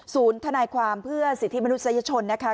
ศูนย์ธนาความเพื่อสิทธิมนุษยชนนะคะ